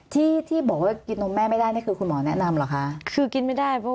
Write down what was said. ที่บอกว่ากินนุ่มแม่ไม่ได้